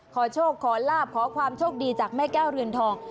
ขอโชคขอลาบขอความโชคดีจากแม่แก้วเรือนทอง